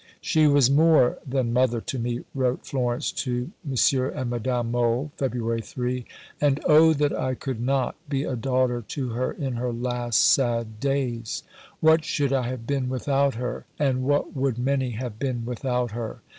"She was more than mother to me," wrote Florence to M. and Madame Mohl (Feb. 3); "and oh that I could not be a daughter to her in her last sad days! What should I have been without her? and what would many have been without her?